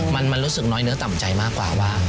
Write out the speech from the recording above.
มันรู้สึกน้อยเนื้อต่ำใจมากกว่าว่า